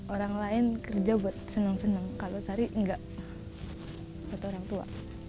orang lain kerja buat senang senang kalau sari enggak buat orang tua